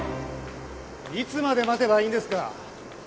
いつまで待てばいいんですか？